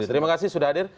terima kasih sudah hadir